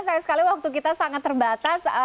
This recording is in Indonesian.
sayang sekali waktu kita sangat terbatas